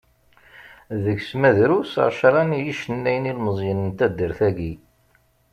Deg-s ma drus ɛecra n yicennayen ilmeẓyen n taddart-agi.